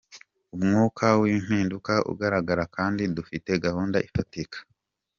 Umwuka w’impinduka uragaragara kandi dufite gahunda ifatika.